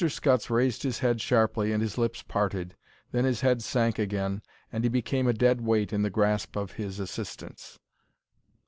Scutts raised his head sharply and his lips parted; then his head sank again, and he became a dead weight in the grasp of his assistants.